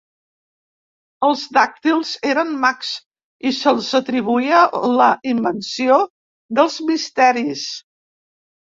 Els dàctils eren mags i se'ls atribuïa la invenció dels Misteris.